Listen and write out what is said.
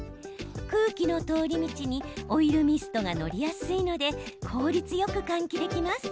空気の通り道にオイルミストが乗りやすいので効率よく換気できます。